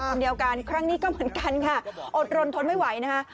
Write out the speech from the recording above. คนเดียวกันครั้งนี้ก็เหมือนกันค่ะอดรนทนไม่ไหวนะคะ